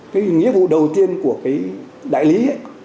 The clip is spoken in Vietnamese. cái nhiệm vụ đầu tiên của cái đại lý